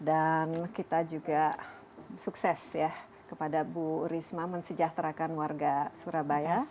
dan kita juga sukses ya kepada bu risma mensejahterakan warga surabaya